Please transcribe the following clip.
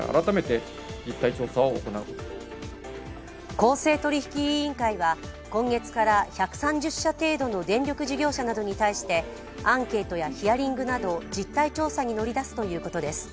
公正取引委員会は、今月から１３０社程度の電力事業者などに対してアンケートやヒアリングなど実態調査に乗り出すということです。